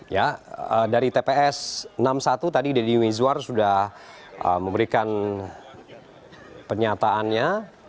ya dari tps enam puluh satu tadi deddy mizwar sudah memberikan pernyataannya